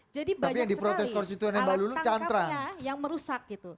jadi banyak sekali alat tangkapnya yang merusak